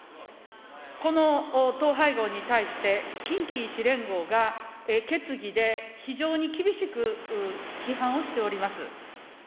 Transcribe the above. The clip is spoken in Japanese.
この統廃合に対して、近畿医師連合が決議で非常に厳しく批判をしております。